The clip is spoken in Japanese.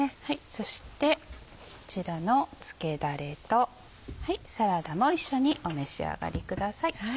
そしてこちらのつけだれとサラダも一緒にお召し上がりください。